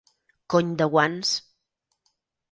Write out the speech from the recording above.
Cony de guants!